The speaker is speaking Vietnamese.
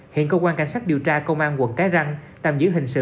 hiện cơ quan cảnh sát điều tra công an quận cái răng tạm giữ hình sự